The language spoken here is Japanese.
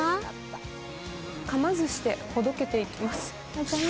かまずしてほどけていきます。